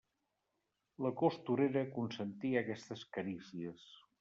La costurera consentia aquestes carícies.